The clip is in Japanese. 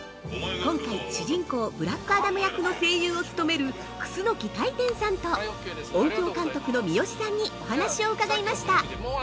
今回、主人公ブラックアダム役の声優を務める楠大典さんと音響監督の三好さんにお話を伺いました。